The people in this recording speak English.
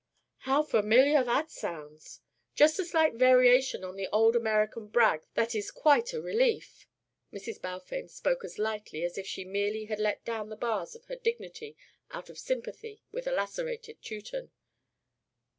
"How familiar that sounds! Just a slight variation on the old American brag that is quite a relief." Mrs. Balfame spoke as lightly as if she merely had let down the bars of her dignity out of sympathy with a lacerated Teuton.